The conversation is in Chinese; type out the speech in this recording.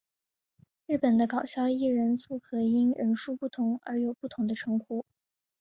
日本的搞笑艺人组合因人数不同而有不同的称呼。